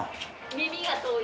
耳が遠い。